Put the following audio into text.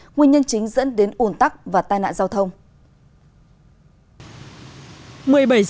nguyên nhân chính dẫn đến ủn tắc và tai nạn giao thông